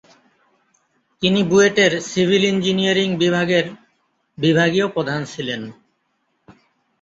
তিনি বুয়েটের civil engineering বিভাগের বিভাগীয় প্রধান ছিলেন।